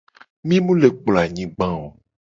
Mi mu le kplo anyigba oo.